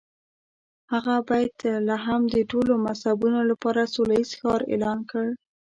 هغه بیت لحم د ټولو مذهبونو لپاره سوله ییز ښار اعلان کړ.